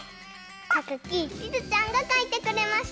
たかきちづちゃんがかいてくれました。